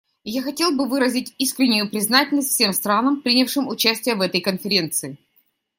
Я хотел бы выразить искреннюю признательность всем странам, принявшим участие в этой конференции.